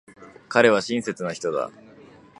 彼は親切な人だ。